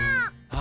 あ！